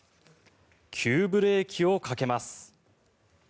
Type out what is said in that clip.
急ブレーキをかけます。